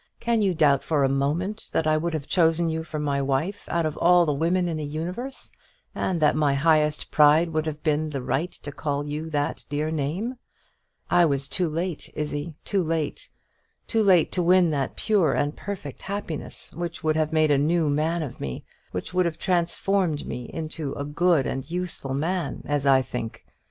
Can you doubt for a moment that I would have chosen you for my wife out of all the women in the universe, and that my highest pride would have been the right to call you by that dear name? I was too late, Izzie, too late; too late to win that pure and perfect happiness which would have made a new man of me, which would have transformed me into a good and useful man, as I think.